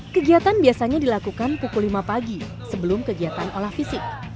kegiatan biasanya dilakukan pukul lima pagi sebelum kegiatan olah fisik